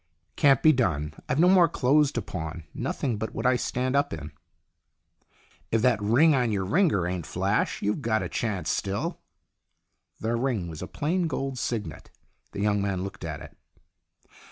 " Can't be done. I've no more clothes to pawn nothing but what I stand up in." "If that ring on your ringer ain't flash, you've got a chance still." The ring was a plain gold signet. The young man looked at it.